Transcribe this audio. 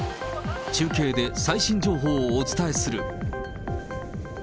中継で最新情報をお伝えする。